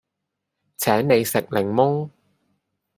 請你食檸檬